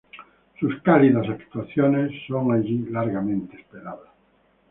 Sus "cálidas" actuaciones son allí largamente esperadas.